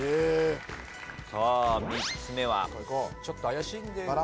ちょっと怪しい。